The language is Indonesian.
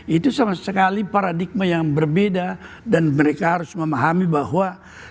itu sama sekali paradigma yang berbeda dan mereka harus memahami bahwa